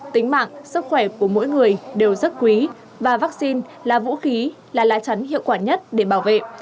tính mạng sức khỏe của mỗi người đều rất quý và vaccine là vũ khí là lá chắn hiệu quả nhất để bảo vệ